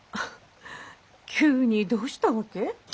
急にどうしたわけ？